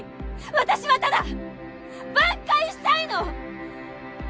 私はただ挽回したいの！